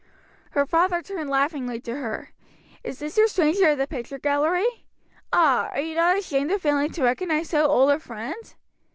Her father turned laughingly to her. "Is this your stranger of the picture gallery? ah, are you not ashamed of failing to recognize so old a friend?"